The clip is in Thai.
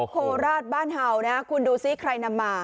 โคราชบ้านเห่านะคุณดูซิใครนำมา